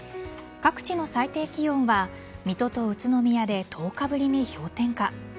各地の最低気温は水戸と宇都宮で１０日ぶりに氷点下。